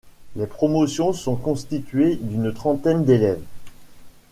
Les promotions sont constituées d'une trentaine d'élèves.